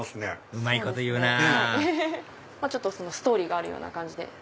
うまいこと言うなぁストーリーがあるような感じで。